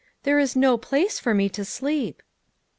"There is no place for me to sleep."